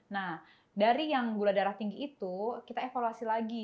nah dari yang gula darah tinggi itu kita evaluasi lagi